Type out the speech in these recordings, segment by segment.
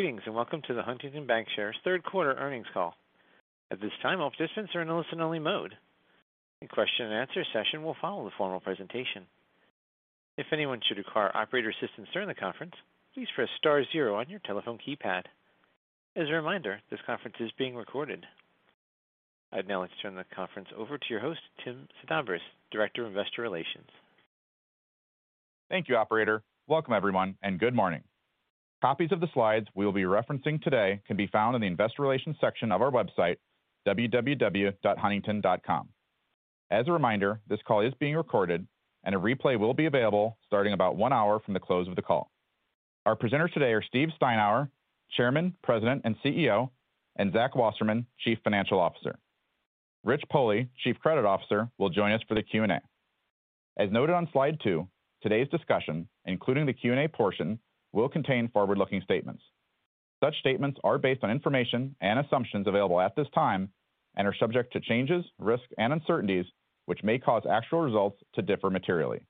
Greetings, and welcome to the Huntington Bancshares third quarter earnings call. At this time, all participants are in a listen only mode. A question and answer session will follow the formal presentation. If anyone should require operator assistance during the conference, please press star zero on your telephone keypad. As a reminder, this conference is being recorded. I'd now like to turn the conference over to your host, Tim Sedabres, Director of Investor Relations. Thank you, operator. Welcome, everyone, and good morning. Copies of the slides we'll be referencing today can be found in the investor relations section of our website, www.huntington.com. As a reminder, this call is being recorded, and a replay will be available starting about one hour from the close of the call. Our presenters today are Steve Steinour, Chairman, President, and CEO, and Zach Wasserman, Chief Financial Officer. Rich Pohle, Chief Credit Officer, will join us for the Q&A. As noted on slide two, today's discussion, including the Q&A portion, will contain forward-looking statements. Such statements are based on information and assumptions available at this time and are subject to changes, risks, and uncertainties, which may cause actual results to differ materially.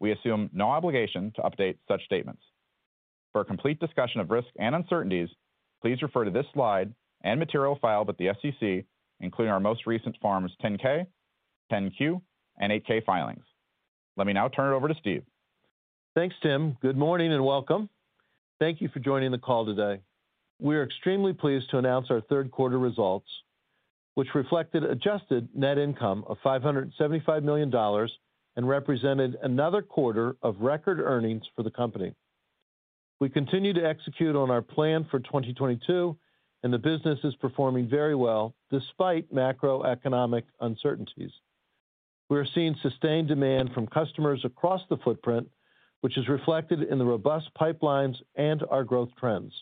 We assume no obligation to update such statements. For a complete discussion of risks and uncertainties, please refer to this slide and material filed with the SEC, including our most recent Form 10-K, Form 10-Q, and Form 8-K filings. Let me now turn it over to Steve. Thanks, Tim. Good morning and welcome. Thank you for joining the call today. We are extremely pleased to announce our third quarter results, which reflected adjusted net income of $575 million and represented another quarter of record earnings for the company. We continue to execute on our plan for 2022, and the business is performing very well despite macroeconomic uncertainties. We are seeing sustained demand from customers across the footprint, which is reflected in the robust pipelines and our growth trends.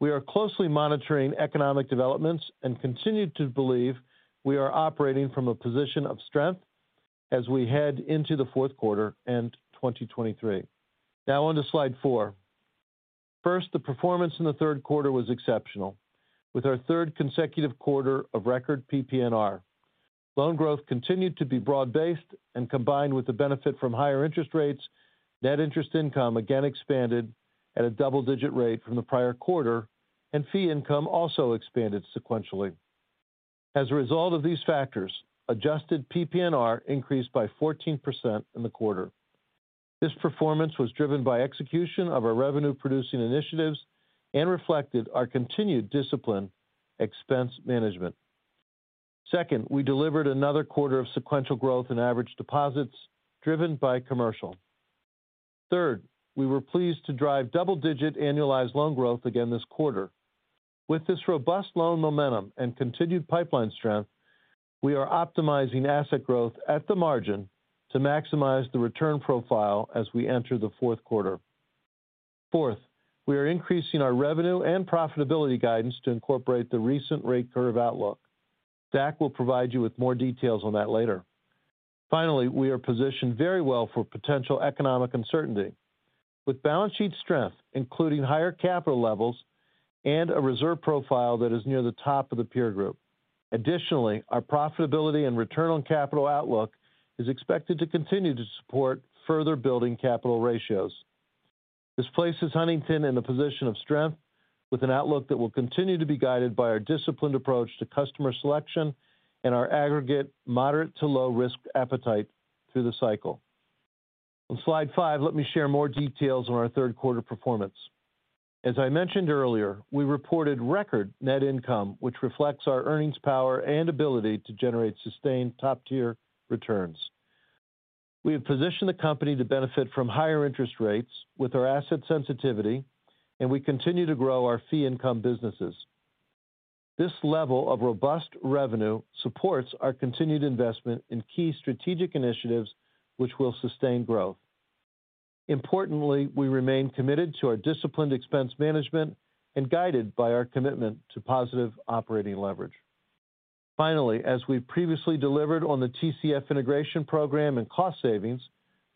We are closely monitoring economic developments and continue to believe we are operating from a position of strength as we head into the fourth quarter and 2023. Now on to slide four. First, the performance in the third quarter was exceptional. With our third consecutive quarter of record PPNR, loan growth continued to be broad-based and combined with the benefit from higher interest rates, net interest income again expanded at a double-digit rate from the prior quarter, and fee income also expanded sequentially. As a result of these factors, adjusted PPNR increased by 14% in the quarter. This performance was driven by execution of our revenue-producing initiatives and reflected our continued disciplined expense management. Second, we delivered another quarter of sequential growth in average deposits driven by commercial. Third, we were pleased to drive double-digit annualized loan growth again this quarter. With this robust loan momentum and continued pipeline strength, we are optimizing asset growth at the margin to maximize the return profile as we enter the fourth quarter. Fourth, we are increasing our revenue and profitability guidance to incorporate the recent rate curve outlook. Zach will provide you with more details on that later. Finally, we are positioned very well for potential economic uncertainty with balance sheet strength, including higher capital levels and a reserve profile that is near the top of the peer group. Additionally, our profitability and return on capital outlook is expected to continue to support further building capital ratios. This places Huntington in a position of strength with an outlook that will continue to be guided by our disciplined approach to customer selection and our aggregate moderate to low risk appetite through the cycle. On slide 5, let me share more details on our third quarter performance. As I mentioned earlier, we reported record net income, which reflects our earnings power and ability to generate sustained top-tier returns. We have positioned the company to benefit from higher interest rates with our asset sensitivity, and we continue to grow our fee income businesses. This level of robust revenue supports our continued investment in key strategic initiatives which will sustain growth. Importantly, we remain committed to our disciplined expense management and guided by our commitment to positive operating leverage. Finally, as we've previously delivered on the TCF integration program and cost savings,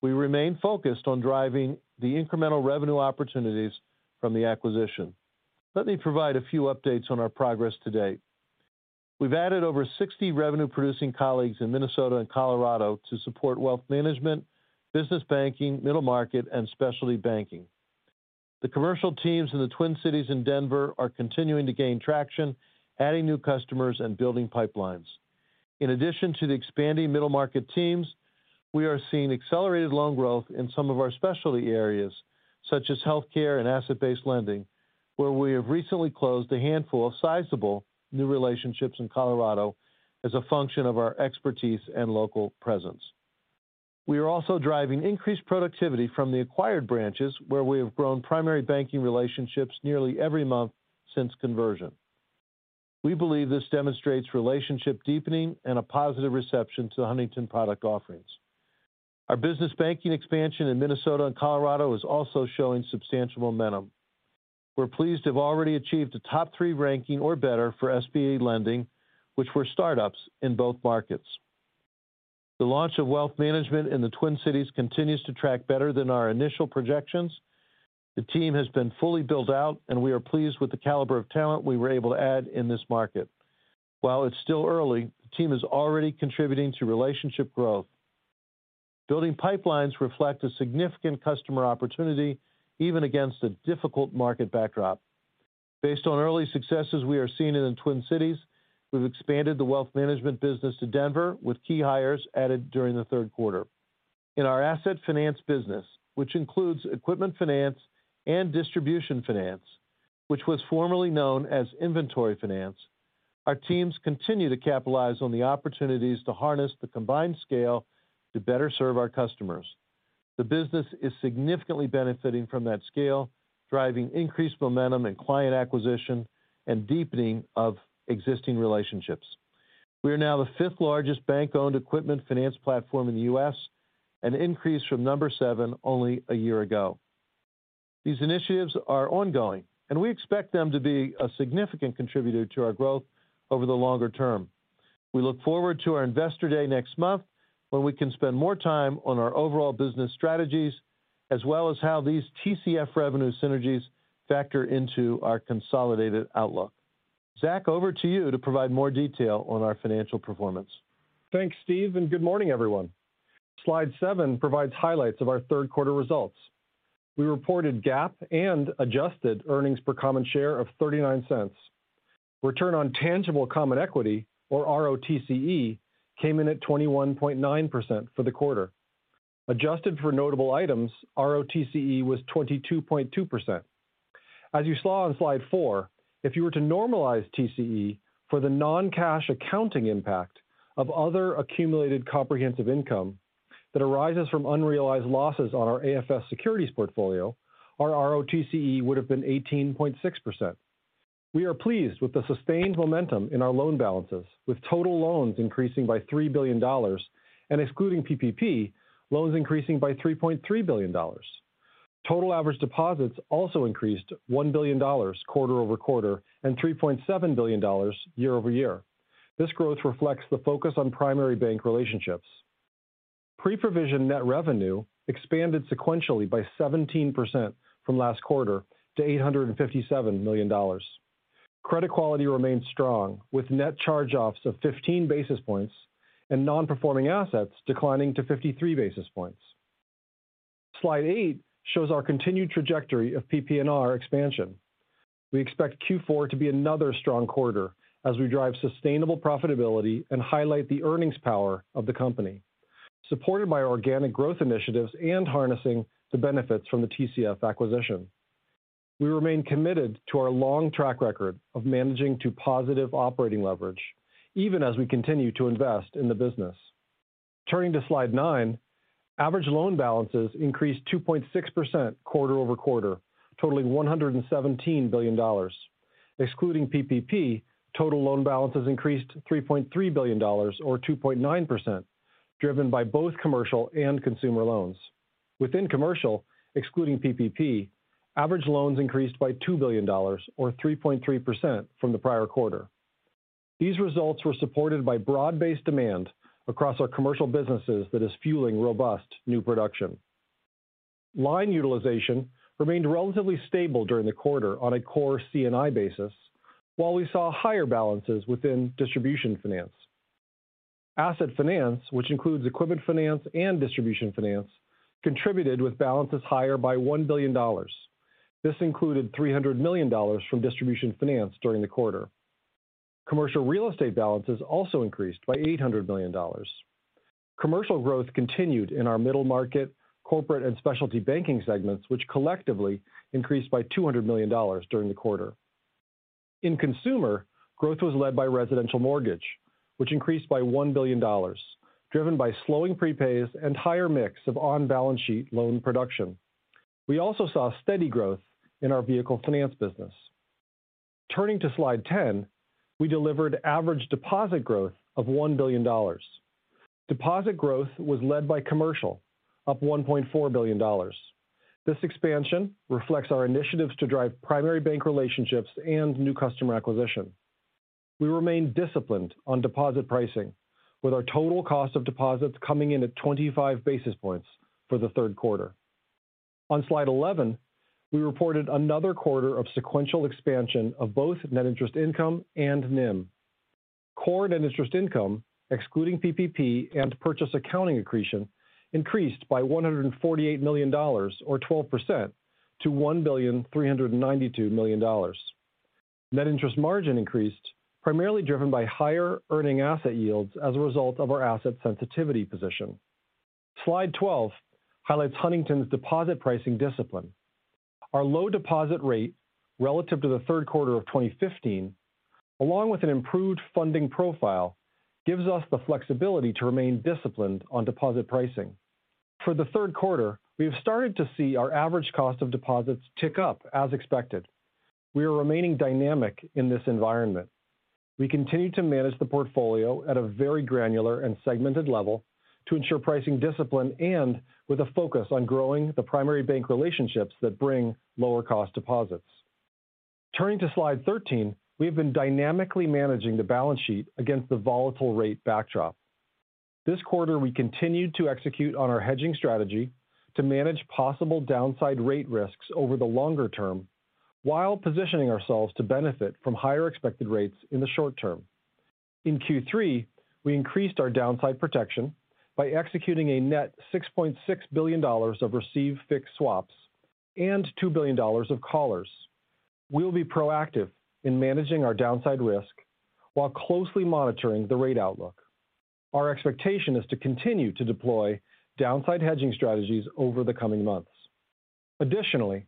we remain focused on driving the incremental revenue opportunities from the acquisition. Let me provide a few updates on our progress to date. We've added over 60 revenue producing colleagues in Minnesota and Colorado to support wealth management, business banking, middle market, and specialty banking. The commercial teams in the Twin Cities and Denver are continuing to gain traction, adding new customers, and building pipelines. In addition to the expanding middle market teams, we are seeing accelerated loan growth in some of our specialty areas, such as healthcare and asset-based lending, where we have recently closed a handful of sizable new relationships in Colorado as a function of our expertise and local presence. We are also driving increased productivity from the acquired branches, where we have grown primary banking relationships nearly every month since conversion. We believe this demonstrates relationship deepening and a positive reception to the Huntington product offerings. Our business banking expansion in Minnesota and Colorado is also showing substantial momentum. We're pleased to have already achieved a top three ranking or better for SBA lending, which we're startups in both markets. The launch of wealth management in the Twin Cities continues to track better than our initial projections. The team has been fully built out, and we are pleased with the caliber of talent we were able to add in this market. While it's still early, the team is already contributing to relationship growth. Building pipelines reflect a significant customer opportunity even against a difficult market backdrop. Based on early successes we are seeing in the Twin Cities, we've expanded the Wealth Management business to Denver with key hires added during the third quarter. In our Asset Finance business, which includes Equipment Finance and Distribution Finance, which was formerly known as inventory finance, our teams continue to capitalize on the opportunities to harness the combined scale to better serve our customers. The business is significantly benefiting from that scale, driving increased momentum and client acquisition and deepening of existing relationships. We are now the fifth-largest bank-owned equipment finance platform in the U.S., an increase from number seven only a year ago. These initiatives are ongoing, and we expect them to be a significant contributor to our growth over the longer term. We look forward to our Investor Day next month, where we can spend more time on our overall business strategies, as well as how these TCF revenue synergies factor into our consolidated outlook. Zach, over to you to provide more detail on our financial performance. Thanks, Steve, and good morning, everyone. Slide seven provides highlights of our third quarter results. We reported GAAP and adjusted earnings per common share of $0.39. Return on tangible common equity, or ROTCE, came in at 21.9% for the quarter. Adjusted for notable items, ROTCE was 22.2%. As you saw on slide four, if you were to normalize TCE for the non-cash accounting impact of other accumulated comprehensive income that arises from unrealized losses on our AFS securities portfolio, our ROTCE would have been 18.6%. We are pleased with the sustained momentum in our loan balances, with total loans increasing by $3 billion and excluding PPP, loans increasing by $3.3 billion. Total average deposits also increased $1 billion quarter-over-quarter and $3.7 billion year-over-year. This growth reflects the focus on primary bank relationships. Pre-provision net revenue expanded sequentially by 17% from last quarter to $857 million. Credit quality remains strong, with net charge-offs of 15 basis points and non-performing assets declining to 53 basis points. Slide eight shows our continued trajectory of PPNR expansion. We expect Q4 to be another strong quarter as we drive sustainable profitability and highlight the earnings power of the company, supported by organic growth initiatives and harnessing the benefits from the TCF acquisition. We remain committed to our long track record of managing to positive operating leverage, even as we continue to invest in the business. Turning to slide nine, average loan balances increased 2.6% quarter-over-quarter, totaling $117 billion. Excluding PPP, total loan balances increased $3.3 billion or 2.9%, driven by both commercial and consumer loans. Within commercial, excluding PPP, average loans increased by $2 billion or 3.3% from the prior quarter. These results were supported by broad-based demand across our commercial businesses that is fueling robust new production. Line utilization remained relatively stable during the quarter on a core CNI basis, while we saw higher balances within Distribution Finance. Asset Finance, which includes Equipment Finance and Distribution Finance, contributed with balances higher by $1 billion. This included $300 million from Distribution Finance during the quarter. Commercial Real Estate balances also increased by $800 million. Commercial growth continued in our middle market, corporate and specialty banking segments, which collectively increased by $200 million during the quarter. In consumer, growth was led by residential mortgage, which increased by $1 billion, driven by slowing prepays and higher mix of on-balance sheet loan production. We also saw steady growth in our vehicle finance business. Turning to slide 10, we delivered average deposit growth of $1 billion. Deposit growth was led by commercial, up $1.4 billion. This expansion reflects our initiatives to drive primary bank relationships and new customer acquisition. We remain disciplined on deposit pricing, with our total cost of deposits coming in at 25 basis points for the third quarter. On slide 11, we reported another quarter of sequential expansion of both net interest income and NIM. Core net interest income, excluding PPP and purchase accounting accretion, increased by $148 million or 12% to $1.392 billion. Net interest margin increased primarily driven by higher earning asset yields as a result of our asset sensitivity position. Slide 12 highlights Huntington's deposit pricing discipline. Our low deposit rate relative to the third quarter of 2015, along with an improved funding profile, gives us the flexibility to remain disciplined on deposit pricing. For the third quarter, we have started to see our average cost of deposits tick up as expected. We are remaining dynamic in this environment. We continue to manage the portfolio at a very granular and segmented level to ensure pricing discipline and with a focus on growing the primary bank relationships that bring lower cost deposits. Turning to slide 13, we have been dynamically managing the balance sheet against the volatile rate backdrop. This quarter, we continued to execute on our hedging strategy to manage possible downside rate risks over the longer term while positioning ourselves to benefit from higher expected rates in the short term. In Q3, we increased our downside protection by executing a net $6.6 billion of received fixed swaps and $2 billion of callers. We'll be proactive in managing our downside risk while closely monitoring the rate outlook. Our expectation is to continue to deploy downside hedging strategies over the coming months. Additionally,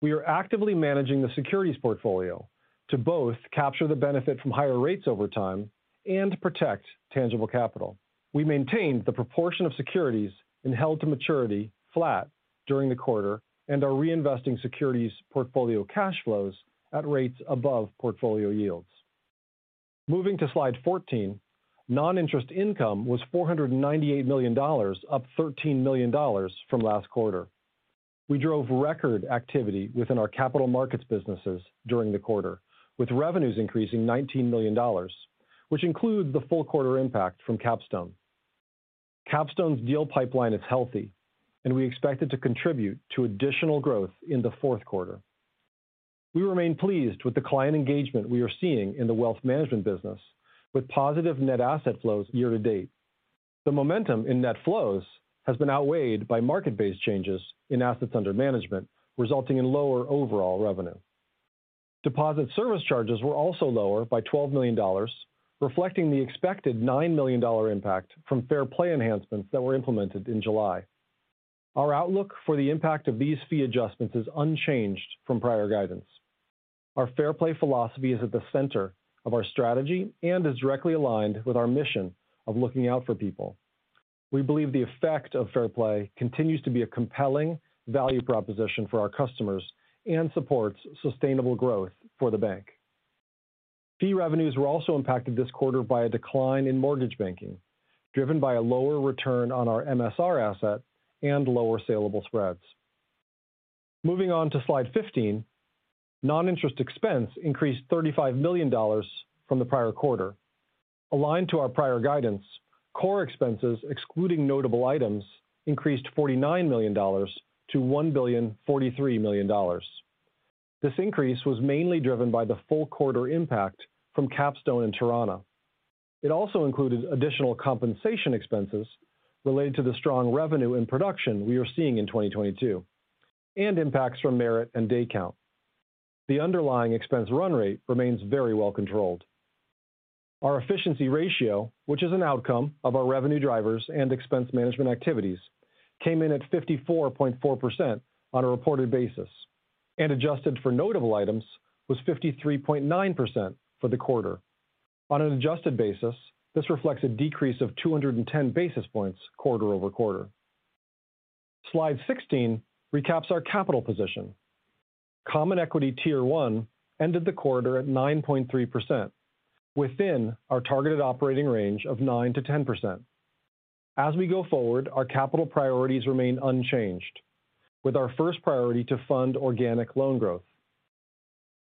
we are actively managing the securities portfolio to both capture the benefit from higher rates over time and protect tangible capital. We maintained the proportion of securities in held-to-maturity flat during the quarter and are reinvesting securities portfolio cash flows at rates above portfolio yields. Moving to Slide 14. Non-interest income was $498 million, up $13 million from last quarter. We drove record activity within our Capital Markets businesses during the quarter, with revenues increasing $19 million, which includes the full quarter impact from Capstone. Capstone's deal pipeline is healthy, and we expect it to contribute to additional growth in the fourth quarter. We remain pleased with the client engagement we are seeing in the Wealth Management business with positive net asset flows year to date. The momentum in net flows has been outweighed by market-based changes in assets under management, resulting in lower overall revenue. Deposit service charges were also lower by $12 million, reflecting the expected $9 million impact from Fair Play enhancements that were implemented in July. Our outlook for the impact of these fee adjustments is unchanged from prior guidance. Our Fair Play philosophy is at the center of our strategy and is directly aligned with our mission of looking out for people. We believe the effect of Fair Play continues to be a compelling value proposition for our customers and supports sustainable growth for the bank. Fee revenues were also impacted this quarter by a decline in mortgage banking, driven by a lower return on our MSR asset and lower saleable spreads. Moving on to Slide 15. Noninterest expense increased $35 million from the prior quarter. Aligned to our prior guidance, core expenses, excluding notable items, increased $49 million to $1,043 million. This increase was mainly driven by the full quarter impact from Capstone and Torana. It also included additional compensation expenses related to the strong revenue and production we are seeing in 2022, and impacts from merit and day count. The underlying expense run rate remains very well controlled. Our efficiency ratio, which is an outcome of our revenue drivers and expense management activities, came in at 54.4% on a reported basis, and adjusted for notable items, was 53.9% for the quarter. On an adjusted basis, this reflects a decrease of 210 basis points quarter-over-quarter. Slide 16 recaps our capital position. Common Equity Tier 1 ended the quarter at 9.3%, within our targeted operating range of 9%-10%. As we go forward, our capital priorities remain unchanged, with our first priority to fund organic loan growth.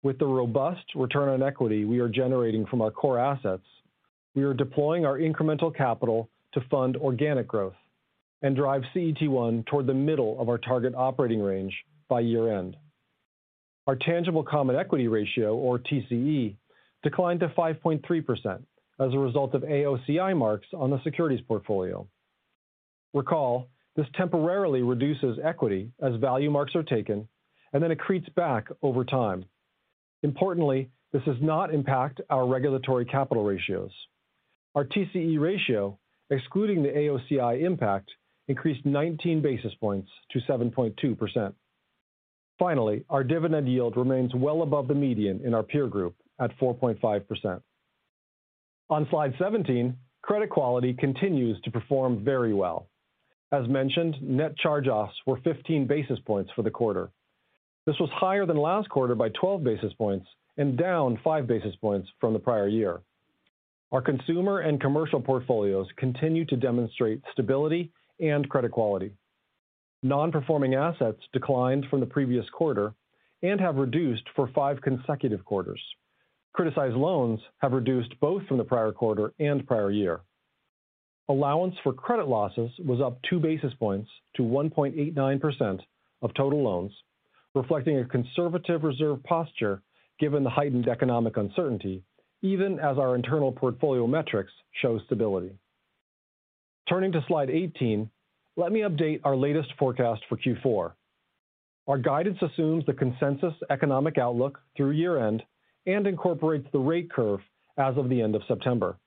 With the robust return on equity we are generating from our core assets, we are deploying our incremental capital to fund organic growth and drive CET1 toward the middle of our target operating range by year-end. Our tangible common equity ratio, or TCE, declined to 5.3% as a result of AOCI marks on the securities portfolio. Recall, this temporarily reduces equity as value marks are taken and then accretes back over time. Importantly, this does not impact our regulatory capital ratios. Our TCE ratio, excluding the AOCI impact, increased 19 basis points to 7.2%. Finally, our dividend yield remains well above the median in our peer group at 4.5%. On Slide 17, credit quality continues to perform very well. As mentioned, net charge-offs were 15 basis points for the quarter. This was higher than last quarter by 12 basis points and down 5 basis points from the prior year. Our consumer and commercial portfolios continue to demonstrate stability and credit quality. Non-performing assets declined from the previous quarter and have reduced for five consecutive quarters. Criticized loans have reduced both from the prior quarter and prior year. Allowance for credit losses was up two basis points to 1.89% of total loans, reflecting a conservative reserve posture given the heightened economic uncertainty, even as our internal portfolio metrics show stability. Turning to Slide 18, let me update our latest forecast for Q4. Our guidance assumes the consensus economic outlook through year-end and incorporates the rate curve as of the end of September.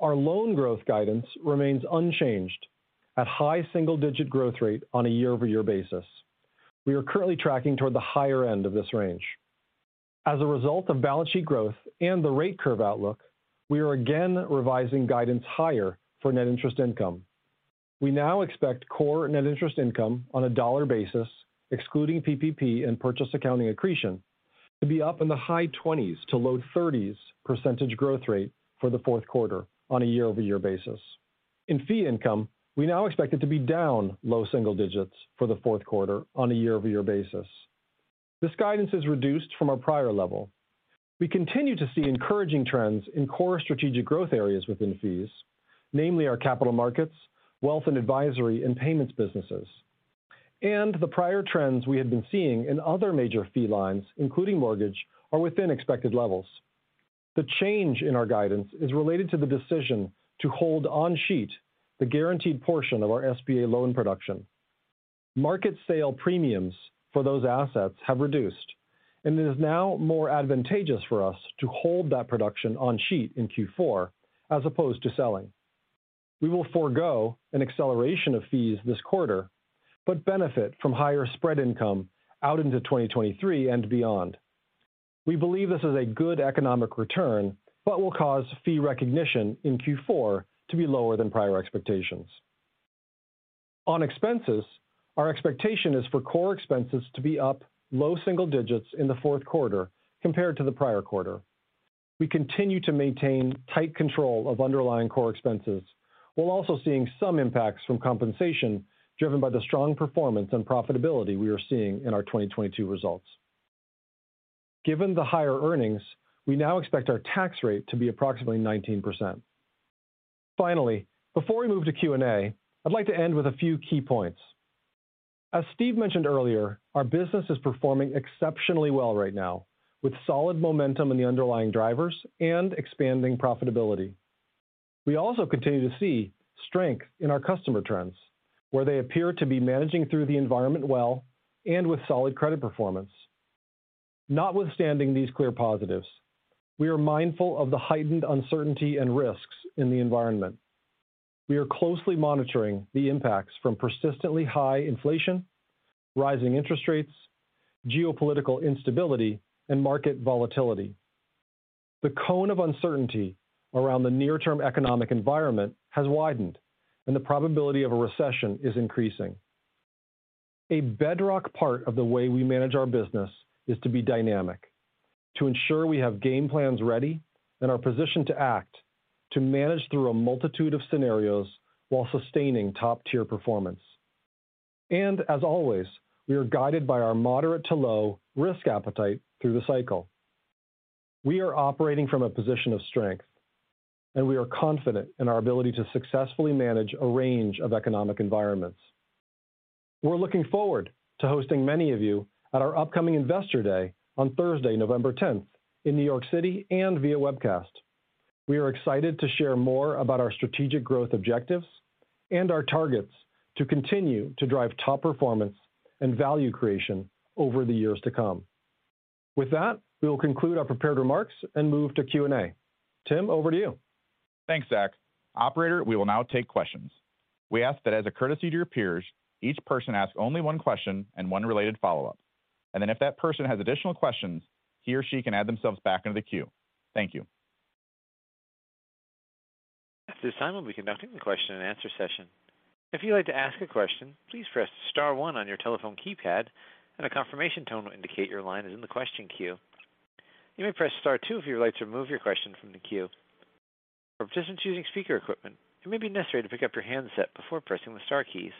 Our loan growth guidance remains unchanged at high single-digit growth rate on a year-over-year basis. We are currently tracking toward the higher end of this range. As a result of balance sheet growth and the rate curve outlook, we are again revising guidance higher for net interest income. We now expect core net interest income on a dollar basis, excluding PPP and purchase accounting accretion, to be up in the high 20s-low 30s% growth rate for the fourth quarter on a year-over-year basis. In fee income, we now expect it to be down low single digits% for the fourth quarter on a year-over-year basis. This guidance is reduced from our prior level. We continue to see encouraging trends in core strategic growth areas within fees, namely our Capital Markets, wealth and advisory and payments businesses. The prior trends we had been seeing in other major fee lines, including mortgage, are within expected levels. The change in our guidance is related to the decision to hold on sheet the guaranteed portion of our SBA loan production. Market sale premiums for those assets have reduced, and it is now more advantageous for us to hold that production on sheet in Q4 as opposed to selling. We will forgo an acceleration of fees this quarter, but benefit from higher spread income out into 2023 and beyond. We believe this is a good economic return, but will cause fee recognition in Q4 to be lower than prior expectations. On expenses, our expectation is for core expenses to be up low single digits in the fourth quarter compared to the prior quarter. We continue to maintain tight control of underlying core expenses. We're also seeing some impacts from compensation driven by the strong performance and profitability we are seeing in our 2022 results. Given the higher earnings, we now expect our tax rate to be approximately 19%. Finally, before we move to Q&A, I'd like to end with a few key points. As Steve mentioned earlier, our business is performing exceptionally well right now, with solid momentum in the underlying drivers and expanding profitability. We also continue to see strength in our customer trends, where they appear to be managing through the environment well and with solid credit performance. Notwithstanding these clear positives, we are mindful of the heightened uncertainty and risks in the environment. We are closely monitoring the impacts from persistently high inflation, rising interest rates, geopolitical instability, and market volatility. The cone of uncertainty around the near-term economic environment has widened, and the probability of a recession is increasing. A bedrock part of the way we manage our business is to be dynamic, to ensure we have game plans ready and are positioned to act to manage through a multitude of scenarios while sustaining top-tier performance. As always, we are guided by our moderate to low risk appetite through the cycle. We are operating from a position of strength, and we are confident in our ability to successfully manage a range of economic environments. We're looking forward to hosting many of you at our upcoming Investor Day on Thursday, November tenth in New York City and via webcast. We are excited to share more about our strategic growth objectives and our targets to continue to drive top performance and value creation over the years to come. With that, we will conclude our prepared remarks and move to Q&A. Tim, over to you. Thanks, Zach. Operator, we will now take questions. We ask that as a courtesy to your peers, each person ask only one question and one related follow-up. Then if that person has additional questions, he or she can add themselves back into the queue. Thank you. At this time, we'll be conducting the question and answer session. If you'd like to ask a question, please press star one on your telephone keypad, and a confirmation tone will indicate your line is in the question queue. You may press star two if you would like to remove your question from the queue. For participants using speaker equipment, it may be necessary to pick up your handset before pressing the star keys.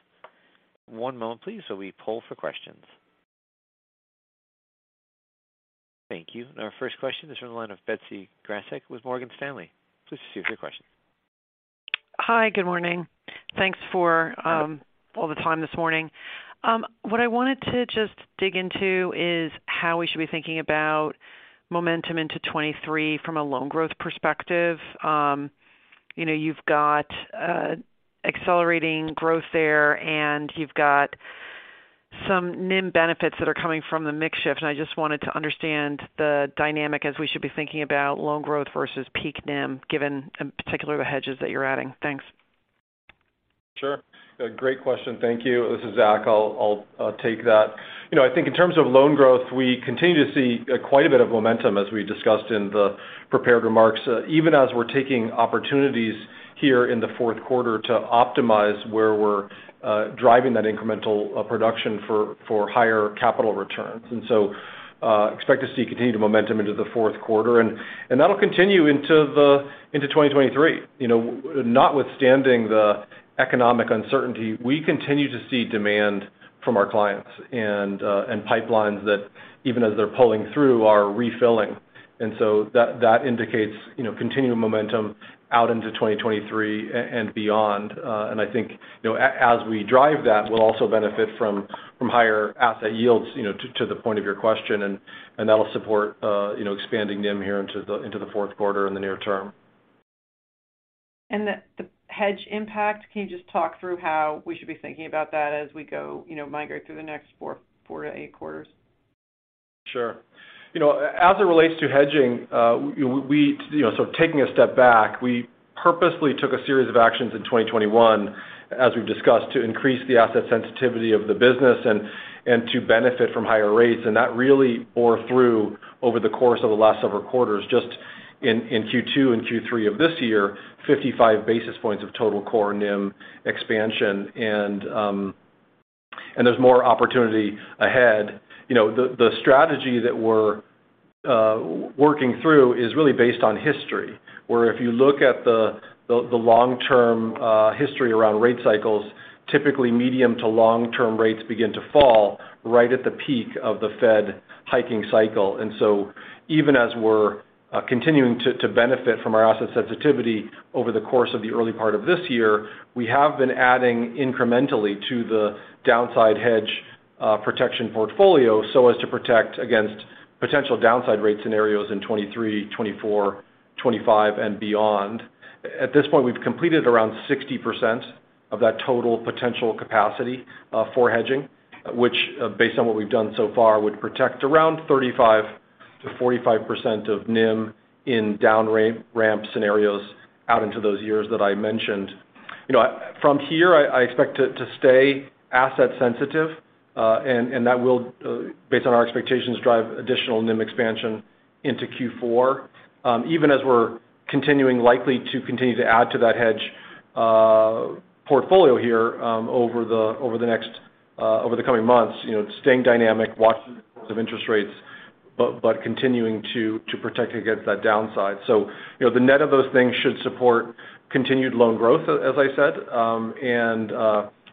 One moment please while we poll for questions. Thank you. Our first question is from the line of Betsy Graseck with Morgan Stanley. Please proceed with your question. Hi. Good morning. Thanks for all the time this morning. What I wanted to just dig into is how we should be thinking about momentum into 2023 from a loan growth perspective. You know, you've got accelerating growth there, and you've got some NIM benefits that are coming from the mix shift. I just wanted to understand the dynamic as we should be thinking about loan growth versus peak NIM, given in particular the hedges that you're adding. Thanks. Sure. Great question. Thank you. This is Zach. I'll take that. You know, I think in terms of loan growth, we continue to see quite a bit of momentum as we discussed in the prepared remarks, even as we're taking opportunities here in the fourth quarter to optimize where we're driving that incremental production for higher capital returns. Expect to see continued momentum into the fourth quarter. And that'll continue into 2023. You know, notwithstanding the economic uncertainty, we continue to see demand from our clients and pipelines that even as they're pulling through are refilling. And so that indicates, you know, continuing momentum out into 2023 and beyond. I think, you know, as we drive that, we'll also benefit from higher asset yields, you know, to the point of your question, and that'll support, you know, expanding NIM here into the fourth quarter in the near term. The hedge impact, can you just talk through how we should be thinking about that as we go, you know, migrate through the next 4-8 quarters? Sure. You know, as it relates to hedging, you know, taking a step back, we purposely took a series of actions in 2021, as we've discussed, to increase the asset sensitivity of the business and to benefit from higher rates. That really bore fruit over the course of the last several quarters, just in Q2 and Q3 of this year, 55 basis points of total core NIM expansion. There's more opportunity ahead. You know, the strategy that we're working through is really based on history, where if you look at the long-term history around rate cycles, typically medium- to long-term rates begin to fall right at the peak of the Fed hiking cycle. Even as we're continuing to benefit from our asset sensitivity over the course of the early part of this year, we have been adding incrementally to the downside hedge protection portfolio so as to protect against potential downside rate scenarios in 2023, 2024, 2025 and beyond. At this point, we've completed around 60% of that total potential capacity for hedging, which based on what we've done so far would protect around 35%-45% of NIM in down ramp scenarios out into those years that I mentioned. You know, from here I expect it to stay asset sensitive, and that will, based on our expectations, drive additional NIM expansion into Q4. Even as we're likely to continue to add to that hedge portfolio here over the coming months. You know, staying dynamic, watching interest rates, but continuing to protect against that downside. You know, the net of those things should support continued loan growth, as I said,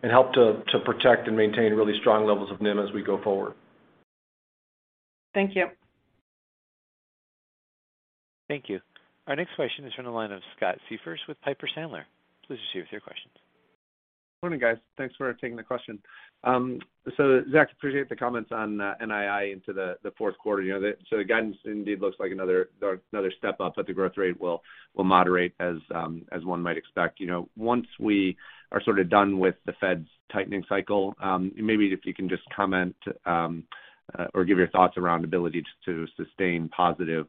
and help to protect and maintain really strong levels of NIM as we go forward. Thank you. Thank you. Our next question is from the line of Scott Siefers with Piper Sandler. Please proceed with your questions. Morning, guys. Thanks for taking the question. Zach, appreciate the comments on NII into the fourth quarter. You know, the guidance indeed looks like another step up, but the growth rate will moderate as one might expect. You know, once we are sort of done with the Fed's tightening cycle, maybe if you can just comment or give your thoughts around ability to sustain positive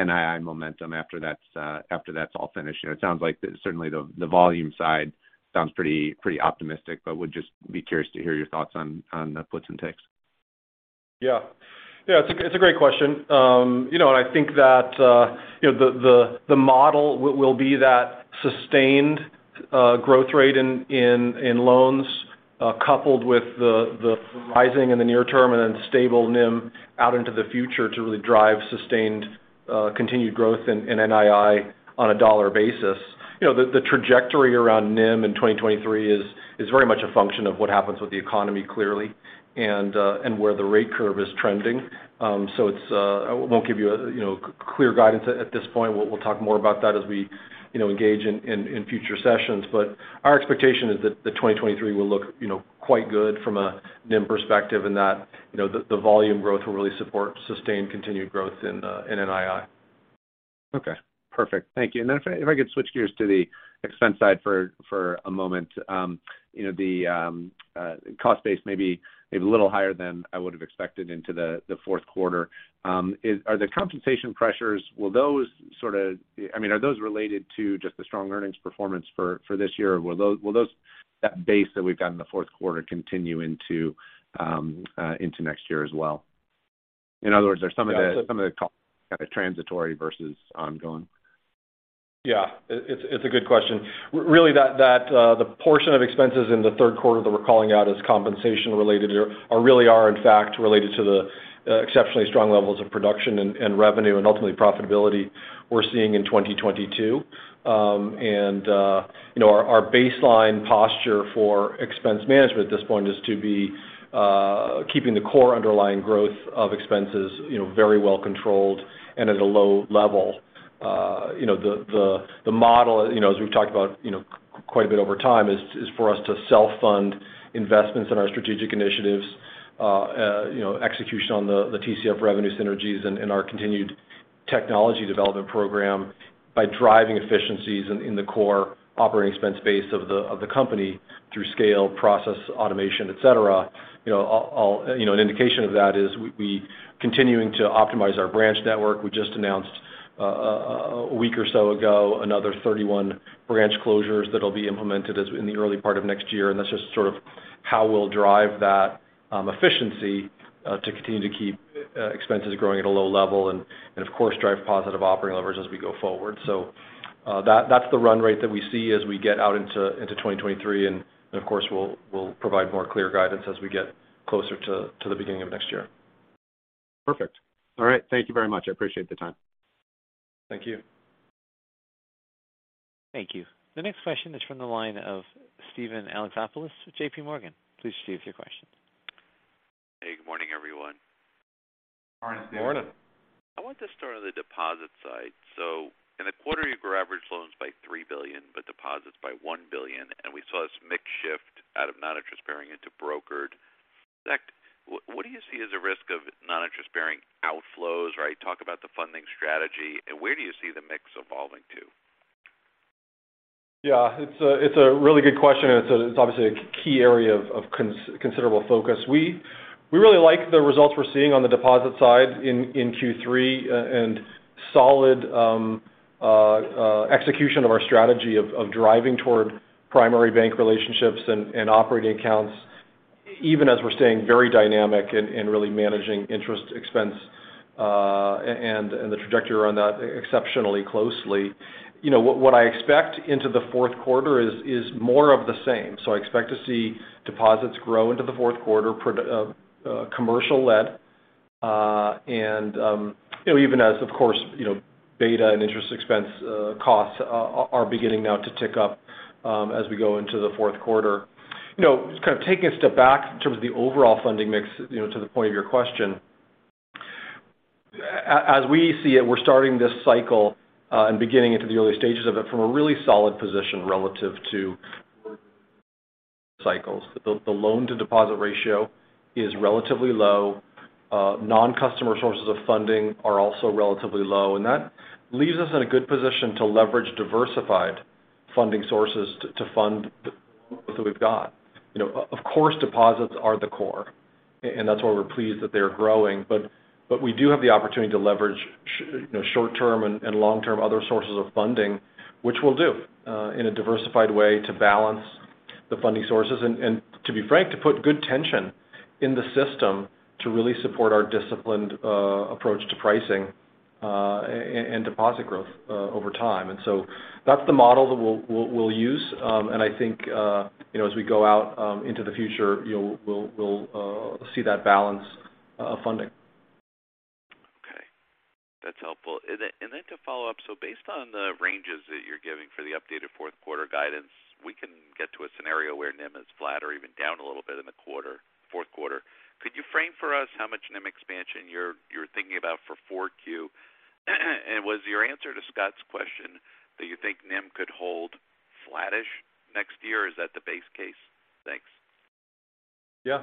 NII momentum after that's all finished. You know, it sounds like certainly the volume side sounds pretty optimistic, but would just be curious to hear your thoughts on the puts and takes. Yeah. Yeah, it's a great question. You know, and I think that, you know, the model will be that sustained growth rate in loans, coupled with the rising in the near term and then stable NIM out into the future to really drive sustained continued growth in NII on a dollar basis. You know, the trajectory around NIM in 2023 is very much a function of what happens with the economy clearly and where the rate curve is trending. It's, I won't give you a clear guidance at this point. We'll talk more about that as we, you know, engage in future sessions. Our expectation is that 2023 will look, you know, quite good from a NIM perspective, and that, you know, the volume growth will really support sustained continued growth in NII. Okay. Perfect. Thank you. If I could switch gears to the expense side for a moment. You know, the cost base may be a little higher than I would have expected into the fourth quarter. Are the compensation pressures, will those sort of, I mean, are those related to just the strong earnings performance for this year? Will those that base that we've got in the fourth quarter continue into next year as well? In other words, are some of the Yeah. Some of the costs transitory versus ongoing. Yeah. It's a good question. Really, that the portion of expenses in the third quarter that we're calling out as compensation related are really in fact related to the exceptionally strong levels of production and revenue and ultimately profitability we're seeing in 2022. You know, our baseline posture for expense management at this point is to be keeping the core underlying growth of expenses you know very well controlled and at a low level. You know, the model, you know, as we've talked about, you know, quite a bit over time, is for us to self-fund investments in our strategic initiatives, you know, execution on the TCF revenue synergies and our continued technology development program by driving efficiencies in the core operating expense base of the company through scale, process, automation, et cetera. You know, an indication of that is we continuing to optimize our branch network. We just announced a week or so ago, another 31 branch closures that'll be implemented in the early part of next year. That's just sort of how we'll drive that efficiency to continue to keep expenses growing at a low level and, of course, drive positive operating levers as we go forward. That's the run rate that we see as we get out into 2023. Of course, we'll provide more clear guidance as we get closer to the beginning of next year. Perfect. All right. Thank you very much. I appreciate the time. Thank you. Thank you. The next question is from the line of Steven Alexopoulos with JPMorgan. Please proceed with your question. Hey, good morning, everyone. Morning, Steven. Morning. I want to start on the deposit side. In the quarter, you grew average loans by $3 billion, but deposits by $1 billion, and we saw this mix shift out of non-interest bearing into brokered. Zach, what do you see as a risk of non-interest bearing outflows, right? Talk about the funding strategy and where do you see the mix evolving to? It's a really good question, and it's obviously a key area of considerable focus. We really like the results we're seeing on the deposit side in Q3 and solid execution of our strategy of driving toward primary bank relationships and operating accounts, even as we're staying very dynamic and really managing interest expense and the trajectory around that exceptionally closely. You know, what I expect into the fourth quarter is more of the same. I expect to see deposits grow into the fourth quarter commercial led. You know, even as of course, you know, beta and interest expense costs are beginning now to tick up, as we go into the fourth quarter. You know, just kind of taking a step back in terms of the overall funding mix, you know, to the point of your question. As we see it, we're starting this cycle, and beginning into the early stages of it from a really solid position relative to cycles. The loan to deposit ratio is relatively low. Non-customer sources of funding are also relatively low, and that leaves us in a good position to leverage diversified funding sources to fund the growth that we've got. You know, of course, deposits are the core and that's why we're pleased that they are growing. We do have the opportunity to leverage you know, short-term and long-term other sources of funding, which we'll do in a diversified way to balance the funding sources and to be frank, to put good tension in the system to really support our disciplined approach to pricing and deposit growth over time. That's the model that we'll use. I think you know, as we go out into the future, we'll see that balanced funding. Okay, that's helpful. To follow up, based on the ranges that you're giving for the updated fourth quarter guidance, we can get to a scenario where NIM is flat or even down a little bit in the quarter, fourth quarter. Could you frame for us how much NIM expansion you're thinking about for 4Q? Was your answer to Scott's question that you think NIM could hold flattish next year, or is that the base case? Thanks. Yeah.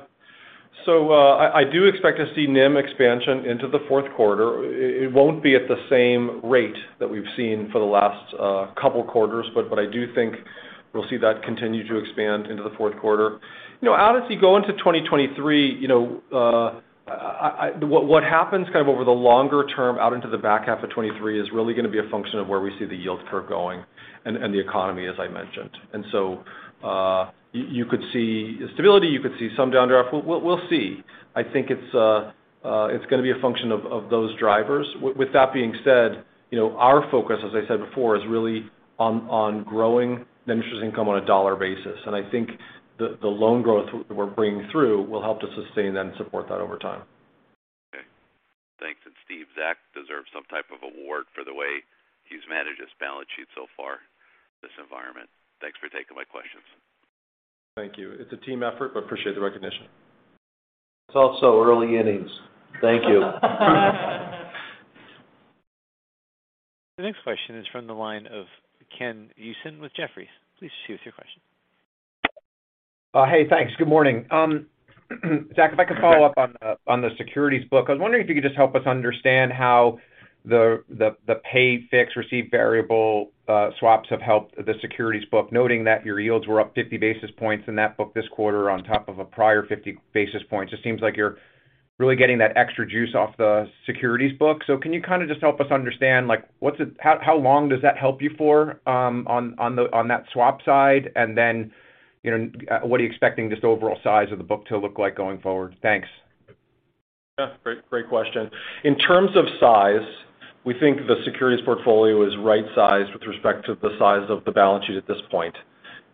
I do expect to see NIM expansion into the fourth quarter. It won't be at the same rate that we've seen for the last couple quarters, but I do think we'll see that continue to expand into the fourth quarter. You know, as you go into 2023, you know, what happens kind of over the longer term out into the back half of 2023 is really gonna be a function of where we see the yield curve going and the economy, as I mentioned. You could see stability, you could see some downdraft. We'll see. I think it's gonna be a function of those drivers. With that being said, you know, our focus, as I said before, is really on growing net interest income on a dollar basis. I think the loan growth we're bringing through will help to sustain that and support that over time. Okay. Thanks. Steve, Zach deserves some type of award for the way he's managed his balance sheet so far in this environment. Thanks for taking my questions. Thank you. It's a team effort, but appreciate the recognition. It's also early innings. Thank you. The next question is from the line of Ken Usdin with Jefferies. Please proceed with your question. Hey, thanks. Good morning. Zach, if I could follow up on the securities book. I was wondering if you could just help us understand how the paid fixed receive variable swaps have helped the securities book, noting that your yields were up 50 basis points in that book this quarter on top of a prior 50 basis points. It seems like you're really getting that extra juice off the securities book. Can you kind of just help us understand, like, how long does that help you for on that swap side? And then, you know, what are you expecting just overall size of the book to look like going forward? Thanks. Yeah. Great question. In terms of size, we think the securities portfolio is right-sized with respect to the size of the balance sheet at this point.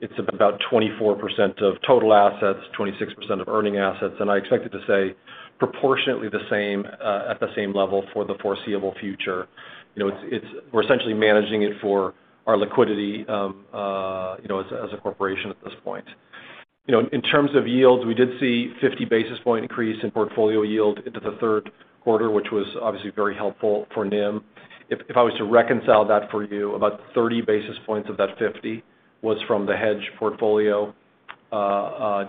It's about 24% of total assets, 26% of earning assets, and I expect it to stay proportionately the same at the same level for the foreseeable future. You know, we're essentially managing it for our liquidity, you know, as a corporation at this point. You know, in terms of yields, we did see 50 basis point increase in portfolio yield into the third quarter, which was obviously very helpful for NIM. If I was to reconcile that for you, about 30 basis points of that 50 was from the hedge portfolio.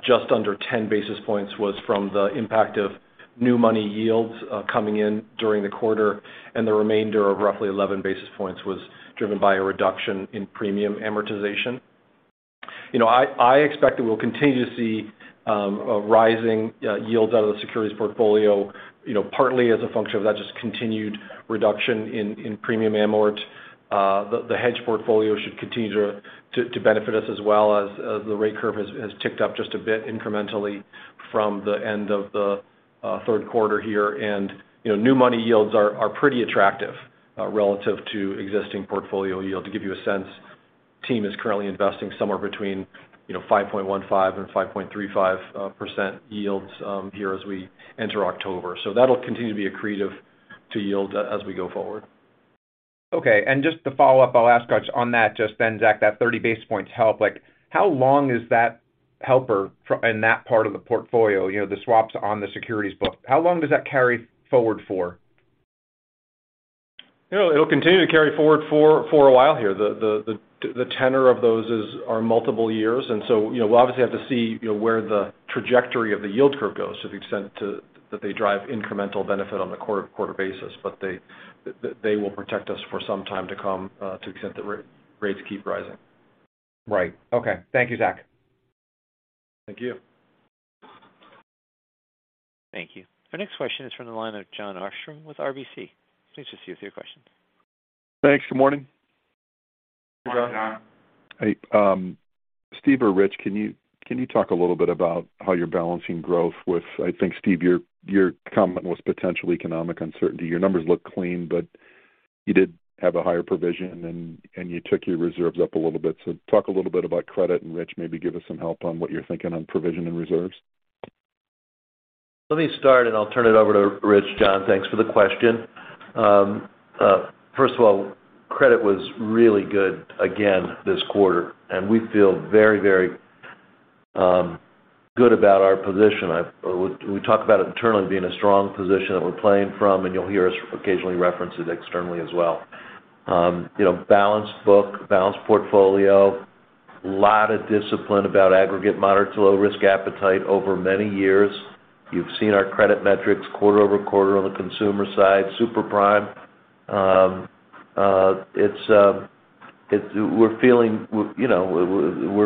Just under 10 basis points was from the impact of new money yields coming in during the quarter, and the remainder of roughly 11 basis points was driven by a reduction in premium amortization. You know, I expect that we'll continue to see rising yields out of the securities portfolio, you know, partly as a function of that just continued reduction in premium amort. The hedge portfolio should continue to benefit us as well as the rate curve has ticked up just a bit incrementally from the end of the third quarter here. You know, new money yields are pretty attractive relative to existing portfolio yield. To give you a sense, team is currently investing somewhere between, you know, 5.15%-5.35% yields here as we enter October. That'll continue to be accretive to yield as we go forward. Okay. Just to follow up, I'll ask on that just then, Zach, that 30 basis points help. Like, how long is that help for in that part of the portfolio? You know, the swaps on the securities book. How long does that carry forward for? You know, it'll continue to carry forward for a while here. The tenor of those are multiple years. You know, we'll obviously have to see where the trajectory of the yield curve goes to the extent that they drive incremental benefit on a quarter-over-quarter basis. They will protect us for some time to come to the extent that rates keep rising. Right. Okay. Thank you, Zach. Thank you. Thank you. Our next question is from the line of Jon Arfstrom with RBC. Please proceed with your questions. Thanks. Good morning. Good morning, Jon. Hey, Steve or Rich, can you talk a little bit about how you're balancing growth with potential economic uncertainty. I think, Steve, your comment was potential economic uncertainty. Your numbers look clean, but you did have a higher provision and you took your reserves up a little bit. Talk a little bit about credit. Rich, maybe give us some help on what you're thinking on provision and reserves. Let me start, and I'll turn it over to Rich. Jon, thanks for the question. First of all, credit was really good again this quarter, and we feel very, very Good about our position. We talk about it internally being a strong position that we're playing from, and you'll hear us occasionally reference it externally as well. You know, balanced book, balanced portfolio, lot of discipline about aggregate moderate to low risk appetite over many years. You've seen our credit metrics quarter over quarter on the consumer side, super prime. We're feeling, you know,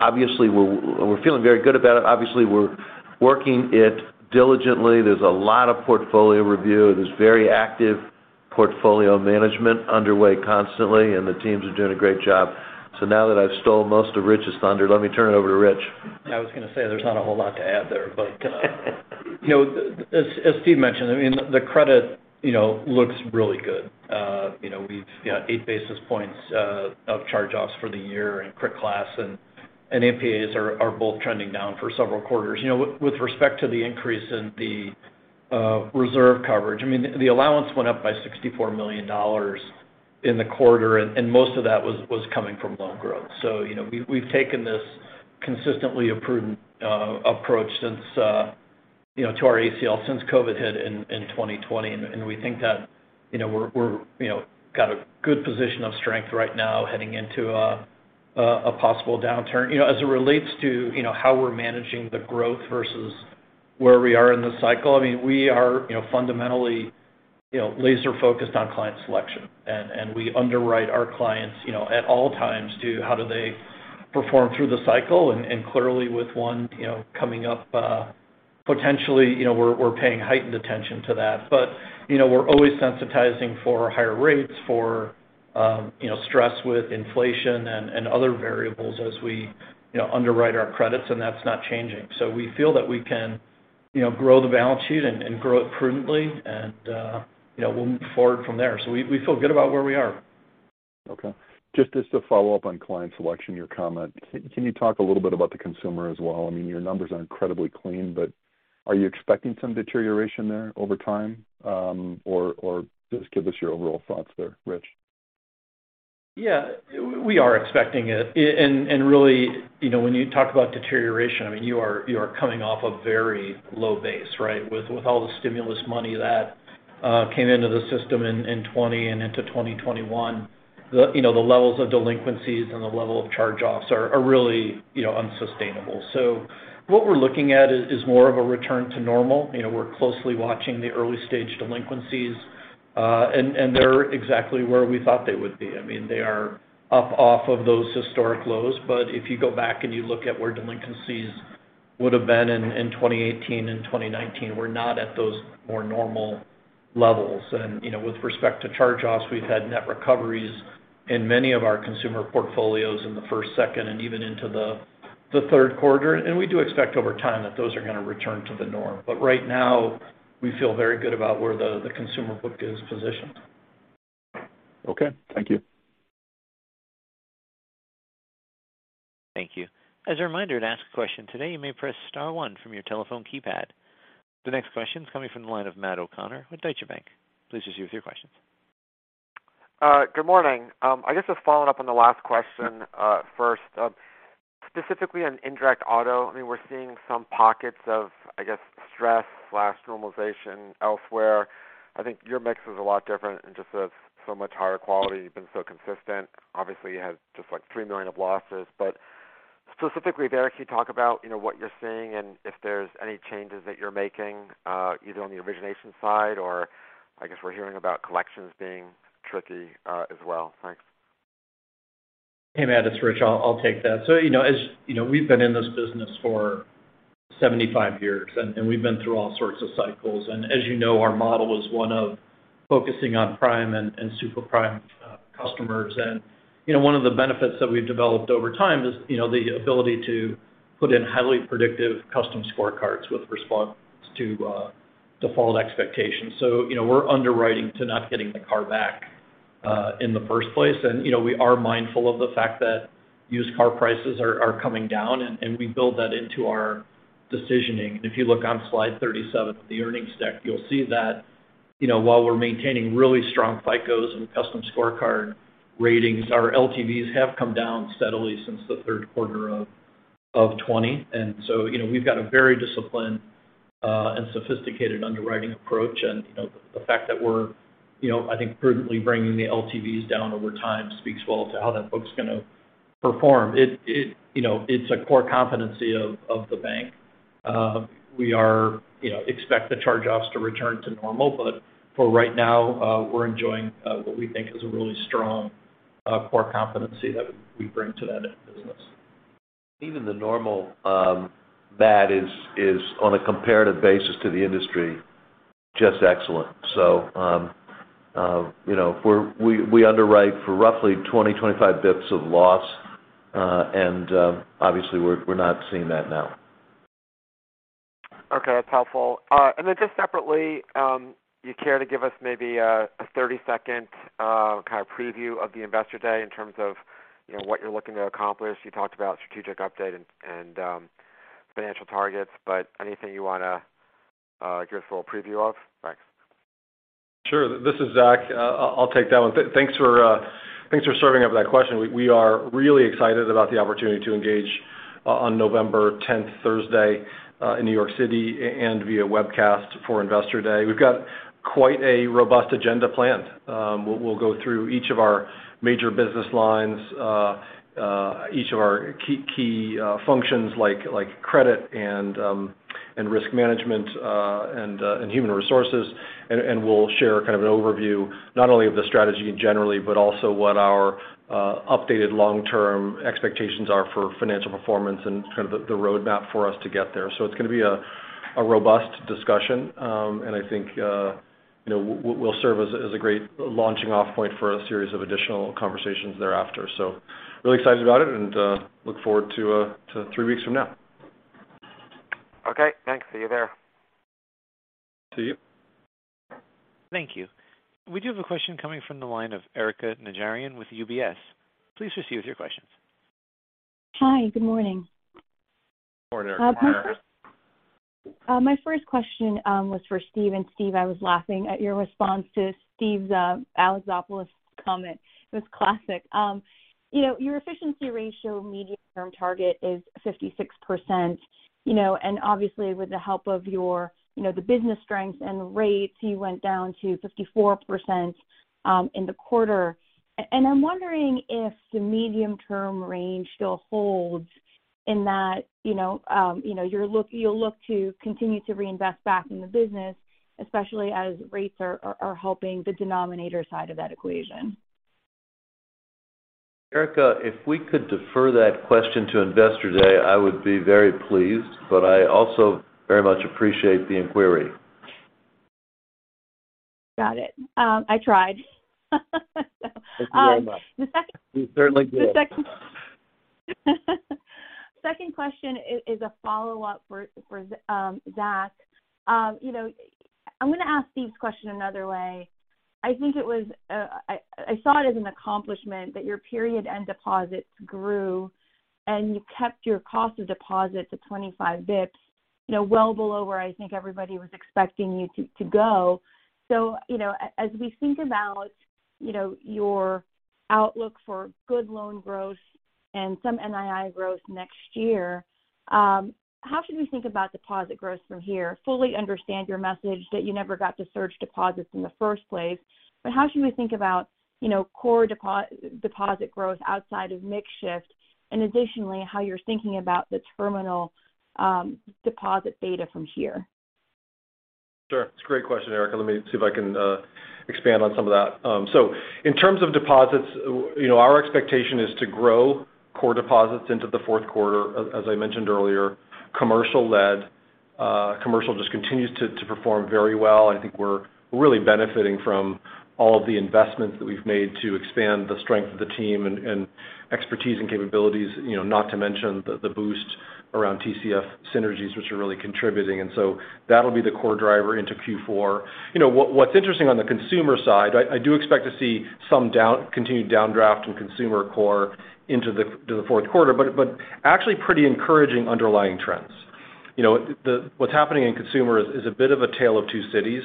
obviously we're feeling very good about it. Obviously, we're working it diligently. There's a lot of portfolio review. There's very active portfolio management underway constantly, and the teams are doing a great job. Now that I've stole most of Rich's thunder, let me turn it over to Rich. I was gonna say there's not a whole lot to add there. You know, as Steve mentioned, I mean, the credit, you know, looks really good. You know, we've got 8 basis points of charge-offs for the year, and criticized and classified and MPAs are both trending down for several quarters. You know, with respect to the increase in the reserve coverage, I mean, the allowance went up by $64 million in the quarter, and most of that was coming from loan growth. You know, we've taken this consistently a prudent approach since you know to our ACL since COVID hit in 2020. We think that, you know, we've got a good position of strength right now heading into a possible downturn. You know, as it relates to, you know, how we're managing the growth versus where we are in the cycle, I mean, we are, you know, fundamentally, you know, laser-focused on client selection. We underwrite our clients, you know, at all times to how do they perform through the cycle. Clearly, with one, you know, coming up, potentially, you know, we're paying heightened attention to that. You know, we're always sensitizing for higher rates, for, you know, stress with inflation and other variables as we, you know, underwrite our credits, and that's not changing. We feel that we can, you know, grow the balance sheet and grow it prudently, and, you know, we'll move forward from there. We feel good about where we are. Okay. Just to follow up on client selection, your comment. Can you talk a little bit about the consumer as well? I mean, your numbers are incredibly clean, but are you expecting some deterioration there over time? Just give us your overall thoughts there, Rich. Yeah. We are expecting it. Really, you know, when you talk about deterioration, I mean, you are coming off a very low base, right? With all the stimulus money that came into the system in 2020 and into 2021, you know, the levels of delinquencies and the level of charge-offs are really unsustainable. What we're looking at is more of a return to normal. You know, we're closely watching the early-stage delinquencies. They're exactly where we thought they would be. I mean, they are up off of those historic lows. If you go back and you look at where delinquencies would have been in 2018 and 2019, we're not at those more normal levels. You know, with respect to charge-offs, we've had net recoveries in many of our consumer portfolios in the first, second, and even into the third quarter. We do expect over time that those are gonna return to the norm. Right now, we feel very good about where the consumer book is positioned. Okay, thank you. Thank you. As a reminder, to ask a question today, you may press star one from your telephone keypad. The next question is coming from the line of Matt O'Connor with Deutsche Bank. Please proceed with your questions. Good morning. I guess just following up on the last question, first. Specifically on indirect auto, I mean, we're seeing some pockets of, I guess, stress/normalization elsewhere. I think your mix is a lot different and just has so much higher quality. You've been so consistent. Obviously, you had just, like, $3 million of losses. Specifically, Derek, can you talk about, you know, what you're seeing and if there's any changes that you're making, either on the origination side or, I guess we're hearing about collections being tricky, as well. Thanks. Hey, Matt, it's Rich. I'll take that. You know, as you know, we've been in this business for 75 years, and we've been through all sorts of cycles. As you know, our model is one of focusing on prime and super prime customers. You know, one of the benefits that we've developed over time is the ability to put in highly predictive custom scorecards with response to default expectations. You know, we're underwriting to not getting the car back in the first place. You know, we are mindful of the fact that used car prices are coming down, and we build that into our decisioning. If you look on slide 37 of the earnings deck, you'll see that, you know, while we're maintaining really strong FICOs and custom scorecard ratings, our LTVs have come down steadily since the third quarter of 2020. You know, we've got a very disciplined and sophisticated underwriting approach. You know, the fact that we're, you know, I think prudently bringing the LTVs down over time speaks well to how that book's gonna perform. It, you know, it's a core competency of the bank. You know, we expect the charge-offs to return to normal. But for right now, we're enjoying what we think is a really strong core competency that we bring to that business. Even the normal, bad is on a comparative basis to the industry, just excellent. You know, we underwrite for roughly 20-25 basis points of loss. Obviously, we're not seeing that now. Okay, that's helpful. Just separately, you care to give us maybe a 30-second kind of preview of the Investor Day in terms of, you know, what you're looking to accomplish. You talked about strategic update and financial targets, but anything you wanna give us a little preview of? Thanks. Sure. This is Zach. I'll take that one. Thanks for serving up that question. We are really excited about the opportunity to engage on November tenth, Thursday, in New York City and via webcast for Investor Day. We've got quite a robust agenda planned. We'll go through each of our major business lines, each of our key functions like credit and risk management, and human resources. We'll share kind of an overview not only of the strategy generally, but also what our updated long-term expectations are for financial performance and kind of the roadmap for us to get there. It's gonna be a robust discussion. I think, you know, we'll serve as a great launching off point for a series of additional conversations thereafter. Really excited about it and look forward to three weeks from now. Okay, thanks. See you there. See you. Thank you. We do have a question coming from the line of Erika Najarian with UBS. Please proceed with your questions. Hi, good morning. Good morning, Erika. My first question was for Steve. Steve, I was laughing at your response to Steven Alexopoulos's comment. It was classic. You know, your efficiency ratio medium-term target is 56%, you know, and obviously with the help of your, you know, the business strength and rates, you went down to 54% in the quarter. I'm wondering if the medium-term range still holds in that, you know, you know, you'll look to continue to reinvest back in the business, especially as rates are helping the denominator side of that equation. Erika, if we could defer that question to Investor Day, I would be very pleased. I also very much appreciate the inquiry. Got it. I tried. Thank you very much. The second- You certainly did. The second question is a follow-up for Zach. You know, I'm gonna ask Steve's question another way. I think it was, I saw it as an accomplishment that your period-end deposits grew, and you kept your cost of deposit to 25 basis points, you know, well below where I think everybody was expecting you to go. You know, as we think about, you know, your outlook for good loan growth and some NII growth next year, how should we think about deposit growth from here? I fully understand your message that you never got to surged deposits in the first place, but how should we think about, you know, core deposit growth outside of mix shift, and additionally, how you're thinking about the terminal deposit beta from here? Sure. It's a great question, Erika. Let me see if I can expand on some of that. So in terms of deposits, you know, our expectation is to grow core deposits into the fourth quarter, as I mentioned earlier, commercial led. Commercial just continues to perform very well. I think we're really benefiting from all of the investments that we've made to expand the strength of the team and expertise and capabilities, you know, not to mention the boost around TCF synergies, which are really contributing. That'll be the core driver into Q4. You know, what's interesting on the consumer side, I do expect to see some continued downdraft in consumer core into the fourth quarter, but actually pretty encouraging underlying trends. You know, what's happening in consumer is a bit of a tale of two cities,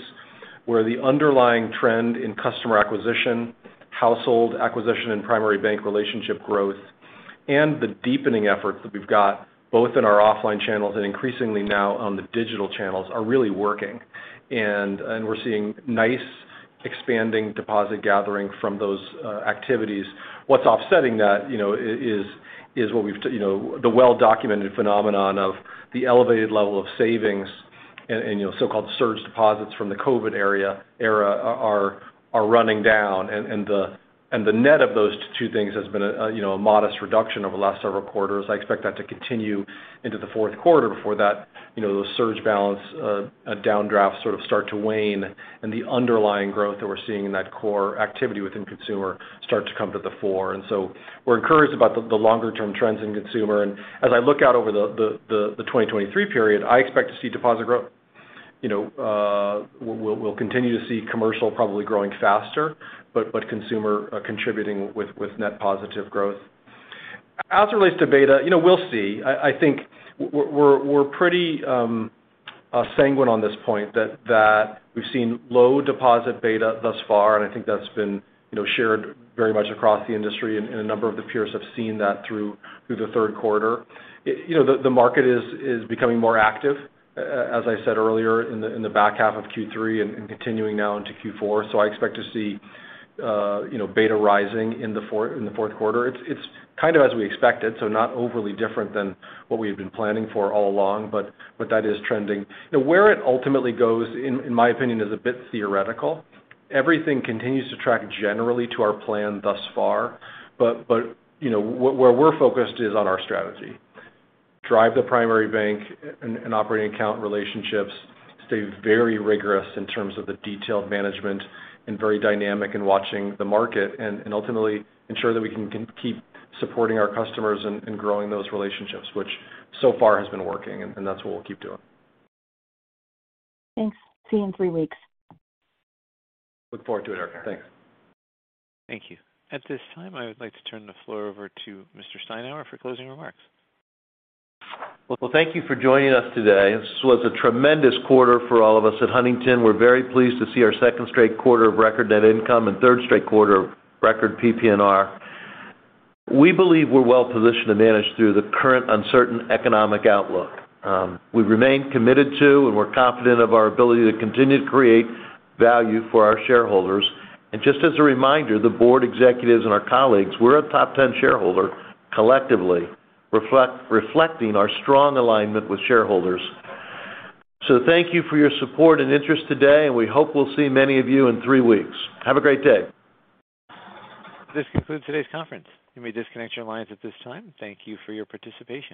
where the underlying trend in customer acquisition, household acquisition, and primary bank relationship growth and the deepening efforts that we've got both in our offline channels and increasingly now on the digital channels are really working. We're seeing nice expanding deposit gathering from those activities. What's offsetting that, you know, is the well-documented phenomenon of the elevated level of savings and, you know, so-called surge deposits from the COVID era are running down. The net of those two things has been a modest reduction over the last several quarters. I expect that to continue into the fourth quarter before that, you know, those surge balance downdrafts sort of start to wane and the underlying growth that we're seeing in that core activity within consumer start to come to the fore. We're encouraged about the 2023 period. I expect to see deposit growth. You know, we'll continue to see commercial probably growing faster, but consumer contributing with net positive growth. As it relates to beta, you know, we'll see. I think we're pretty sanguine on this point that we've seen low deposit beta thus far, and I think that's been, you know, shared very much across the industry and a number of the peers have seen that through the third quarter. You know, the market is becoming more active, as I said earlier in the back half of Q3 and continuing now into Q4. I expect to see, you know, beta rising in the fourth quarter. It's kind of as we expected, so not overly different than what we have been planning for all along, but that is trending. You know, where it ultimately goes, in my opinion, is a bit theoretical. Everything continues to track generally to our plan thus far, but you know, where we're focused is on our strategy. Drive the primary bank and operating account relationships, stay very rigorous in terms of the detailed management and very dynamic in watching the market and ultimately ensure that we can keep supporting our customers and growing those relationships, which so far has been working, and that's what we'll keep doing. Thanks. See you in three weeks. Look forward to it, Erika. Thanks. Thank you. At this time, I would like to turn the floor over to Mr. Steinour for closing remarks. Well, thank you for joining us today. This was a tremendous quarter for all of us at Huntington. We're very pleased to see our second straight quarter of record net income and third straight quarter of record PPNR. We believe we're well positioned to manage through the current uncertain economic outlook. We remain committed to and we're confident of our ability to continue to create value for our shareholders. Just as a reminder, the board executives and our colleagues, we're a top ten shareholder collectively, reflecting our strong alignment with shareholders. Thank you for your support and interest today, and we hope we'll see many of you in three weeks. Have a great day. This concludes today's conference. You may disconnect your lines at this time. Thank you for your participation.